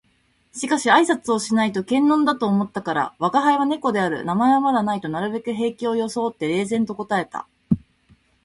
しかし挨拶をしないと険呑だと思ったから「吾輩は猫である。名前はまだない」となるべく平気を装って冷然と答えた